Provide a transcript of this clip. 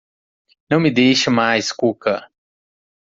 Não me deixe mais, Cuca!